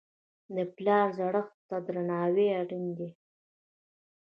د پلار زړښت ته درناوی اړین دی.